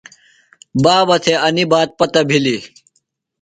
بابہ تھےۡ انیۡ بات پتہ بِھلیۡ۔